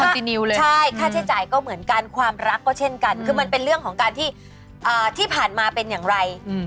กินิวเลยใช่ค่าใช้จ่ายก็เหมือนกันความรักก็เช่นกันคือมันเป็นเรื่องของการที่ผ่านมาเป็นอย่างไร